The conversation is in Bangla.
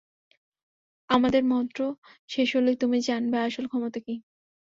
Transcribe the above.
আমাদের মন্ত্র শেষ হলেই তুমি জানবে আসল ক্ষমতা কী।